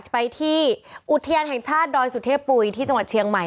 ไปที่อุทยานแห่งชาติดอยสุเทพปุ๋ยที่จังหวัดเชียงใหม่